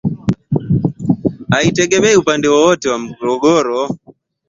haiegemei upande wowote wa mgogoro